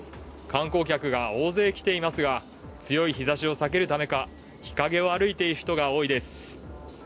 観光客が大勢来ていますが、強い日ざしを避けるためか日陰を歩いている人が多いです。